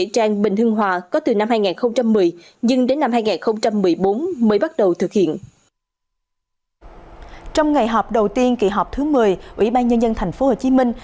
trong ngày họp đầu tiên kỳ họp thứ một mươi ủy ban nhân dân thành phố hồ chí minh